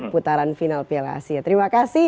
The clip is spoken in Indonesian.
putaran final piala asia terima kasih